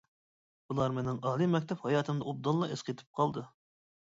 بۇلار مېنىڭ ئالىي مەكتەپ ھاياتىمدا ئوبدانلا ئەسقېتىپ قالدى.